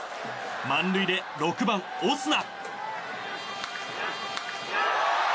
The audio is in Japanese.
満塁で６番、オスナ。